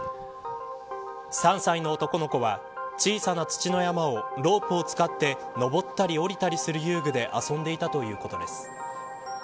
３歳の男の子は小さな土の山をロープを使って上ったり下りたりする遊具で遊んでいたということです。